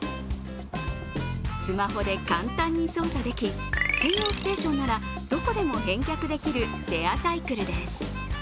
スマホで簡単に操作でき、専用ステーションならどこでも返却できるシェアサイクルです。